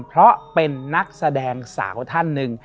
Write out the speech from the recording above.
เพราะเป็นนักแสดงสาวท่านหนึ่ง